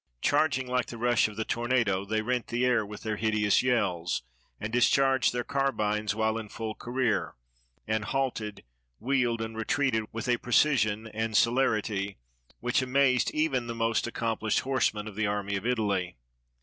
Charging like the rush of the tornado, they rent the air with their hideous yells, and discharged their carbines while in full career, and halted, wheeled, and retreated with a precision and celerity which amazed even the most accompHshed horsemen of the Army of Italy.